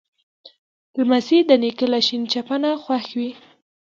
لمسی د نیکه له شین چپنه خوښ وي.